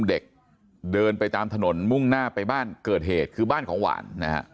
เด็กเดินไปตามถนนมุ่งหน้าไปบ้านเกิดเหตุคือบ้านของหวานนะฮะ